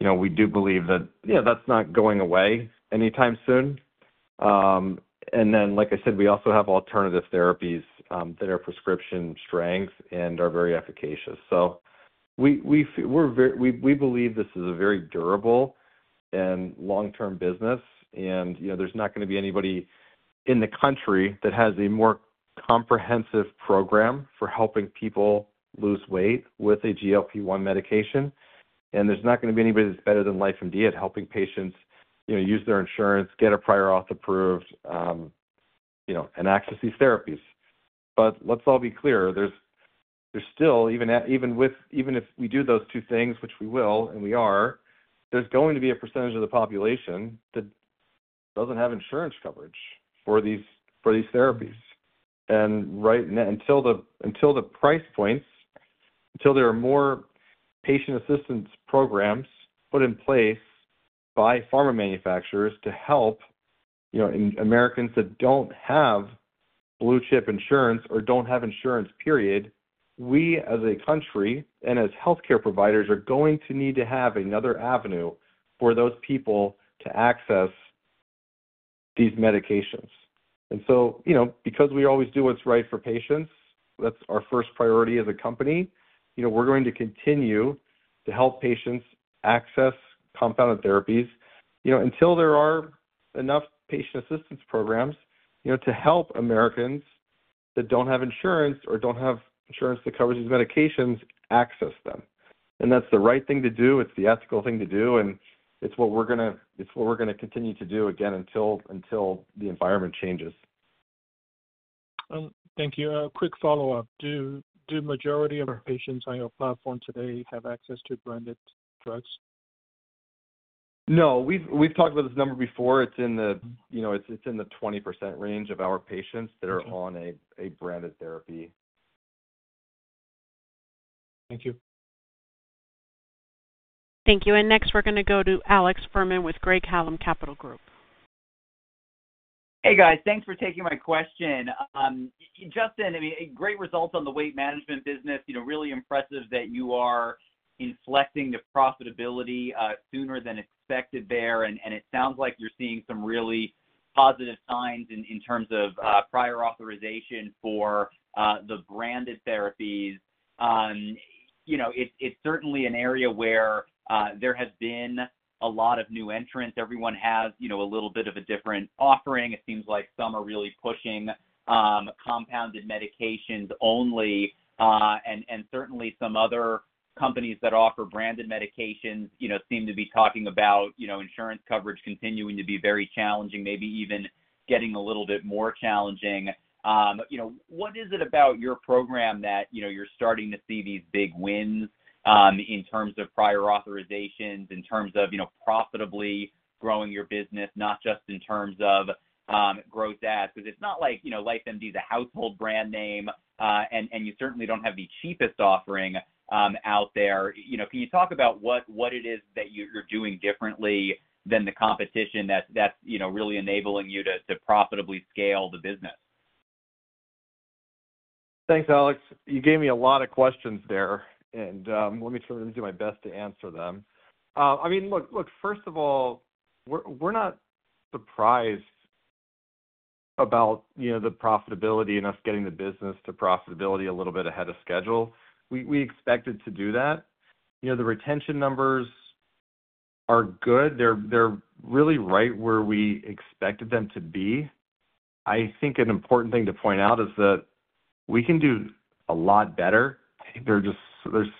[SPEAKER 2] you know, we do believe that you know, that's not going away anytime soon. And then, like I said, we also have alternative therapies that are prescription strength and are very efficacious. So we believe this is a very durable and long-term business, and you know, there's not gonna be anybody in the country that has a more comprehensive program for helping people lose weight with a GLP-1 medication. And there's not gonna be anybody that's better than LifeMD at helping patients you know, use their insurance, get a prior auth approved you know, and access these therapies. But let's all be clear, there's still even if we do those two things, which we will, and we are, there's going to be a percentage of the population that doesn't have insurance coverage for these therapies. And right now until the price points, until there are more patient assistance programs put in place by pharma manufacturers to help, you know, Americans that don't have blue chip insurance or don't have insurance, period, we, as a country and as healthcare providers, are going to need to have another avenue for those people to access these medications. And so, you know, because we always do what's right for patients, that's our first priority as a company, you know, we're going to continue to help patients access compounded therapies, you know, until there are enough patient assistance programs, you know, to help Americans that don't have insurance or don't have insurance that covers these medications, access them. And that's the right thing to do, it's the ethical thing to do, and it's what we're gonna, it's what we're gonna continue to do again, until, until the environment changes.
[SPEAKER 8] Thank you. A quick follow-up. Do majority of our patients on your platform today have access to branded drugs?
[SPEAKER 2] No. We've talked about this number before. It's in the, you know, 20% range of our patients-
[SPEAKER 8] Okay...
[SPEAKER 2] that are on a branded therapy.
[SPEAKER 8] Thank you.
[SPEAKER 1] Thank you. Next, we're gonna go to Alex Fuhrman with Craig-Hallum Capital Group.
[SPEAKER 9] Hey, guys. Thanks for taking my question. Justin, I mean, great results on the weight management business. You know, really impressive that you are inflecting the profitability sooner than expected there. And it sounds like you're seeing some really positive signs in terms of prior authorization for the branded therapies. You know, it's certainly an area where there has been a lot of new entrants. Everyone has, you know, a little bit of a different offering. It seems like some are really pushing compounded medications only, and certainly some other companies that offer branded medications, you know, seem to be talking about, you know, insurance coverage continuing to be very challenging, maybe even getting a little bit more challenging. You know, what is it about your program that, you know, you're starting to see these big wins in terms of prior authorizations, in terms of, you know, profitably growing your business, not just in terms of gross adds? Because it's not like, you know, LifeMD is a household brand name, and you certainly don't have the cheapest offering out there. You know, can you talk about what, what it is that you're, you're doing differently than the competition that's, that's, you know, really enabling you to, to profitably scale the business?
[SPEAKER 2] Thanks, Alex. You gave me a lot of questions there, and let me sort of do my best to answer them. I mean, look, look, first of all, we're not surprised about, you know, the profitability and us getting the business to profitability a little bit ahead of schedule. We expected to do that. You know, the retention numbers are good. They're really right where we expected them to be. I think an important thing to point out is that we can do a lot better. There are just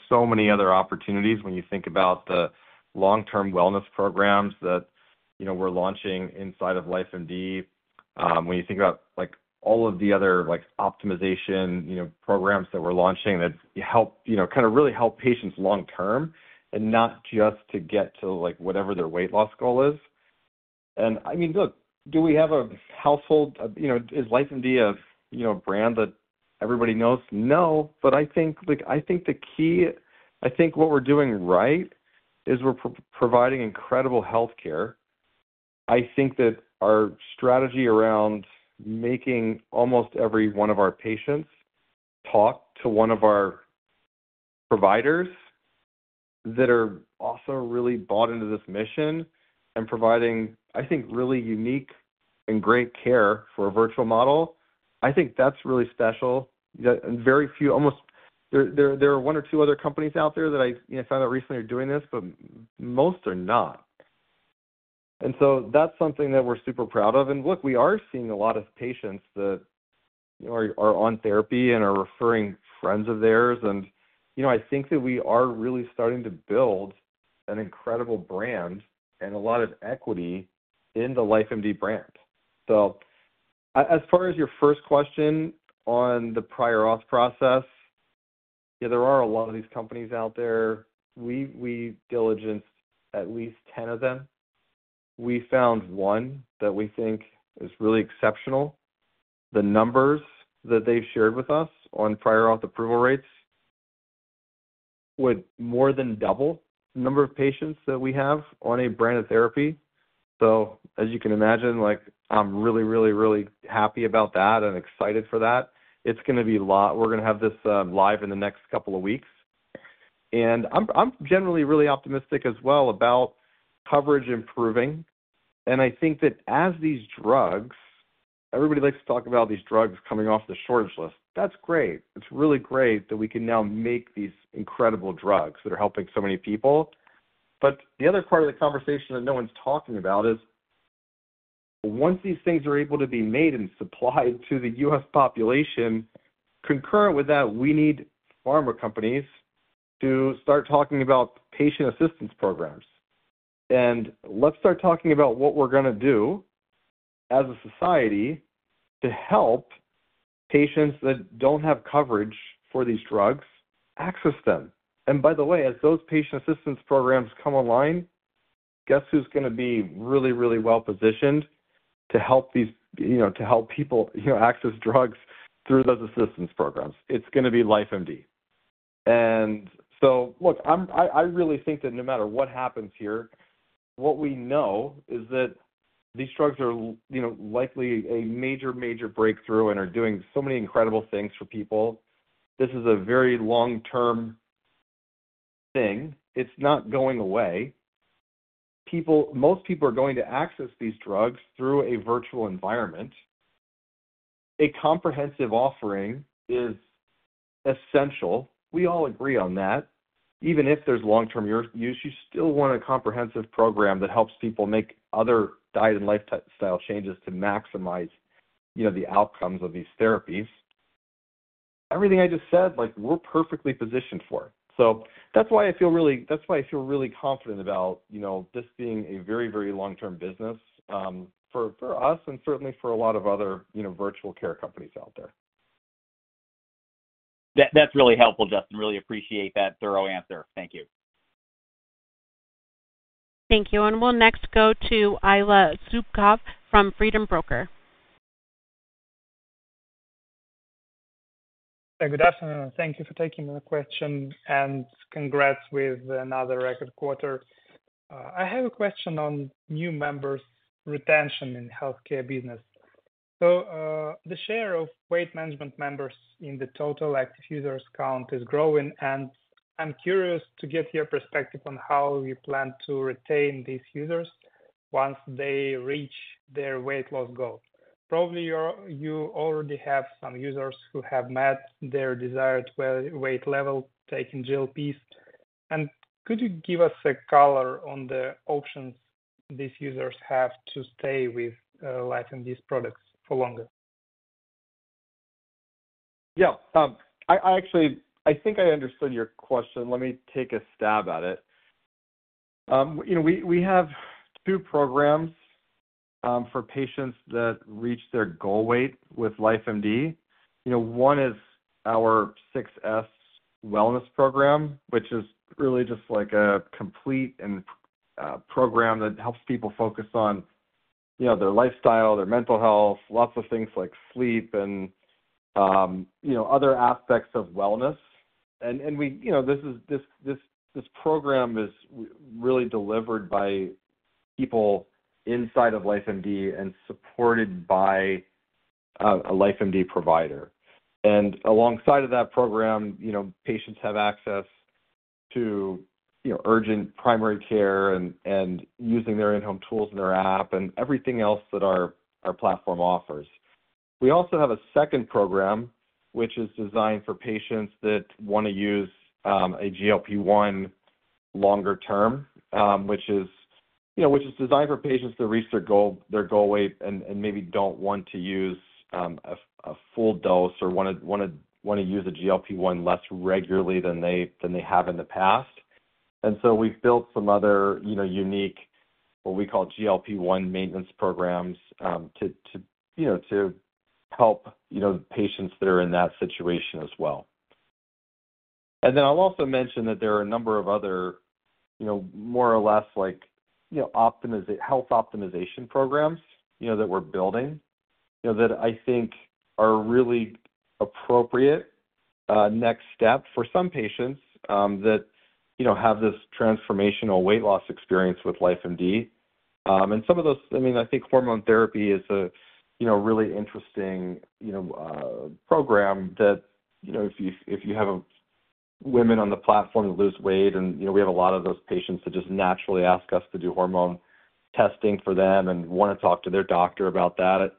[SPEAKER 2] so many other opportunities when you think about the long-term wellness programs that, you know, we're launching inside of LifeMD. When you think about, like, all of the other, like, optimization, you know, programs that we're launching that help, you know, kind of really help patients long term and not just to get to, like, whatever their weight loss goal is. And I mean, look, do we have a household, you know, is LifeMD a, you know, brand that everybody knows? No, but I think, like, I think what we're doing right is we're providing incredible healthcare. I think that our strategy around making almost every one of our patients talk to one of our providers that are also really bought into this mission and providing, I think, really unique and great care for a virtual model, I think that's really special. Very few, almost... There are one or two other companies out there that I, you know, found out recently are doing this, but most are not. And so that's something that we're super proud of. And look, we are seeing a lot of patients that are on therapy and are referring friends of theirs. And, you know, I think that we are really starting to build an incredible brand and a lot of equity in the LifeMD brand. So as far as your first question on the prior auth process, there are a lot of these companies out there. We diligenced at least 10 of them. We found one that we think is really exceptional. The numbers that they've shared with us on prior auth approval rates would more than double the number of patients that we have on a branded therapy. So as you can imagine, like, I'm really, really, really happy about that and excited for that. It's gonna be a lot. We're gonna have this live in the next couple of weeks. And I'm generally really optimistic as well about coverage improving. And I think that as these drugs, everybody likes to talk about these drugs coming off the shortage list. That's great. It's really great that we can now make these incredible drugs that are helping so many people. But the other part of the conversation that no one's talking about is, once these things are able to be made and supplied to the U.S. population, concurrent with that, we need pharma companies to start talking about patient assistance programs. And let's start talking about what we're gonna do as a society to help patients that don't have coverage for these drugs access them. And by the way, as those patient assistance programs come online, guess who's gonna be really, really well-positioned to help these, you know, to help people, you know, access drugs through those assistance programs? It's gonna be LifeMD. And so look, I really think that no matter what happens here, what we know is that these drugs are, you know, likely a major, major breakthrough and are doing so many incredible things for people. This is a very long-term thing. It's not going away. People, most people are going to access these drugs through a virtual environment. A comprehensive offering is essential. We all agree on that. Even if there's long-term use, you still want a comprehensive program that helps people make other diet and lifestyle changes to maximize, you know, the outcomes of these therapies. Everything I just said, like, we're perfectly positioned for it. So that's why I feel really, that's why I feel really confident about, you know, this being a very, very long-term business, for us and certainly for a lot of other, you know, virtual care companies out there.
[SPEAKER 9] That, that's really helpful, Justin. Really appreciate that thorough answer. Thank you.
[SPEAKER 1] Thank you. And we'll next go to Ilya Zubkov from Freedom Finance Global.
[SPEAKER 10] Good afternoon, and thank you for taking my question, and congrats with another record quarter. I have a question on new members' retention in the healthcare business. So, the share of weight management members in the total active users count is growing, and I'm curious to get your perspective on how you plan to retain these users once they reach their weight loss goal. Probably you already have some users who have met their desired weight level taking GLPs. And could you give us a color on the options these users have to stay with LifeMD's products for longer?
[SPEAKER 2] Yeah. I actually think I understood your question. Let me take a stab at it. You know, we have two programs for patients that reach their goal weight with LifeMD. You know, one is our Success wellness program, which is really just like a complete and program that helps people focus on, you know, their lifestyle, their mental health, lots of things like sleep and other aspects of wellness. And we, you know, this program is really delivered by people inside of LifeMD and supported by a LifeMD provider. And alongside of that program, you know, patients have access to urgent primary care and using their in-home tools and their app and everything else that our platform offers. We also have a second program, which is designed for patients that want to use a GLP-1 longer term, which is, you know, which is designed for patients to reach their goal, their goal weight and maybe don't want to use a full dose or wanna use a GLP-1 less regularly than they have in the past. And so we've built some other, you know, unique, what we call GLP-1 maintenance programs to help, you know, patients that are in that situation as well. And then I'll also mention that there are a number of other, you know, more or less like, you know, health optimization programs, you know, that we're building, you know, that I think are really appropriate next step for some patients, that, you know, have this transformational weight loss experience with LifeMD. And some of those, I mean, I think hormone therapy is a, you know, really interesting, you know, program that, you know, if you, if you have women on the platform who lose weight and, you know, we have a lot of those patients that just naturally ask us to do hormone testing for them and wanna talk to their doctor about that.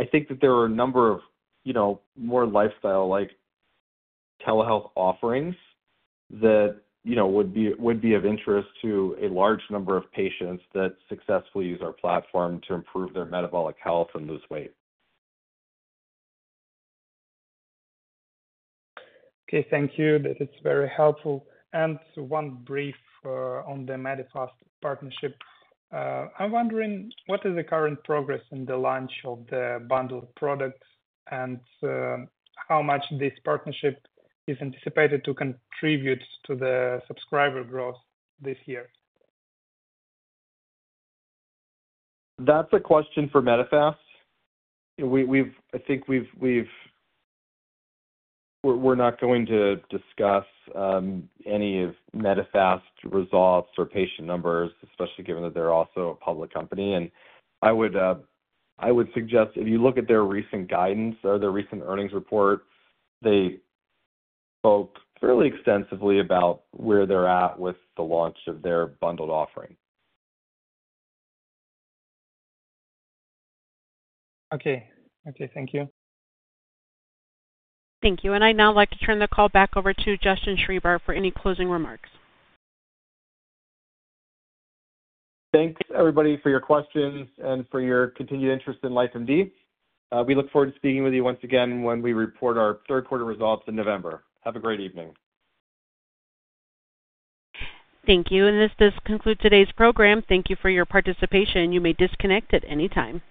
[SPEAKER 2] I think that there are a number of, you know, more lifestyle-like telehealth offerings that, you know, would be of interest to a large number of patients that successfully use our platform to improve their metabolic health and lose weight.
[SPEAKER 10] Okay, thank you. That is very helpful. One brief on the Medifast partnership. I'm wondering, what is the current progress in the launch of the bundled products, and how much this partnership is anticipated to contribute to the subscriber growth this year?
[SPEAKER 2] That's a question for Medifast. I think we're not going to discuss any of Medifast results or patient numbers, especially given that they're also a public company. I would suggest if you look at their recent guidance or their recent earnings report, they spoke fairly extensively about where they're at with the launch of their bundled offering.
[SPEAKER 10] Okay. Okay, thank you.
[SPEAKER 1] Thank you. I'd now like to turn the call back over to Justin Schreiber for any closing remarks.
[SPEAKER 2] Thanks, everybody, for your questions and for your continued interest in LifeMD. We look forward to speaking with you once again when we report our third quarter results in November. Have a great evening.
[SPEAKER 1] Thank you. This does conclude today's program. Thank you for your participation. You may disconnect at any time.